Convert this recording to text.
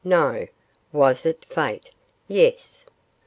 No. Was it Fate? Yes.